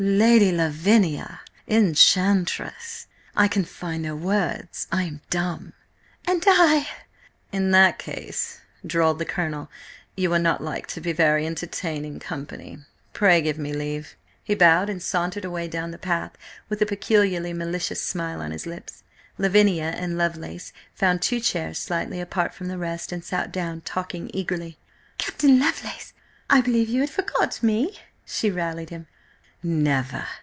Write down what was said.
"Lady Lavinia!–Enchantress!–I can find no words! I am dumb!" "And I!" "In that case," drawled the Colonel, "you are not like to be very entertaining company. Pray give me leave!" He bowed and sauntered away down the path with a peculiarly malicious smile on his lips. Lavinia and Lovelace found two chairs, slightly apart from the rest, and sat down, talking eagerly. "Captain Lovelace, I believe you had forgot me?" she rallied him. "Never!"